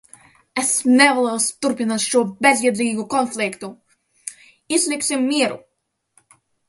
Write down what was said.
Es nevēlos turpināt šo bezjēdzīgo konfliktu. Izlīgsim mieru!